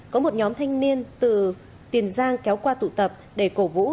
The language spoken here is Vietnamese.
có một nhóm thanh niên từ tiền giang kéo qua tụ tập để cổ vũ